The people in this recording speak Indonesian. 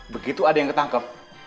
begitu ada yang ketangkep